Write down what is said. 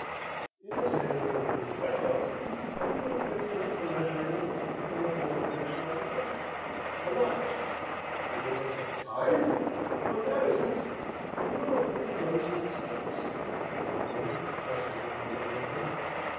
"It isn't anything to be scared of. You carry an instrument for measuring in the fourth dimension all the time. A watch." "You mean it's just time? But that isn't " "We know of three dimensions of space," the colonel told him, gesturing to indicate them.